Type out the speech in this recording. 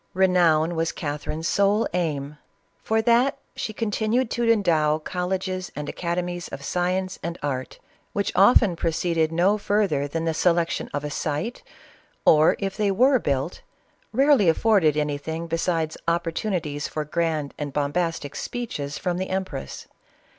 Renown was Catherine's sole aim. For that she con tinued to endow colleges and academics of science and art, which often proceeded no further than the selection ••(' ;i site, or, if they were built, rarely afforded anything s opportxinities for grand and bombastic speeches from the empress.